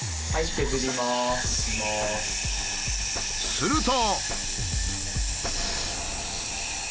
すると。